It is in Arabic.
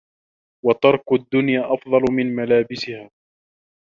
وَتَرْكُ الدُّنْيَا أَفْضَلُ مِنْ مُلَابَسَتِهَا